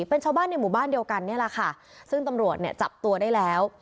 เป็นชาวบ้านในหมู่บ้านเดียวกันนี่แหละค่ะซึ่งตำรวจเนี่ยจับตัวได้แล้ว